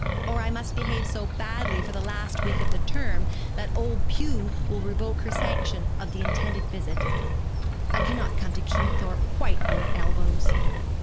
Or I must behave so badly for the last week of the term that old Pew will revoke her sanction of the intended visit. I cannot come to Kingthorpe quite out at elbows.'